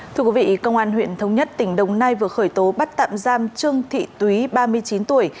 thưa quý vị công an huyện thống nhất tỉnh đồng nai vừa khởi tố bắt tạm giam trương thị túy ba mươi chín tuổi